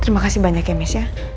terima kasih banyak ya mis ya